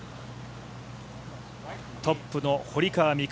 トップの堀川未来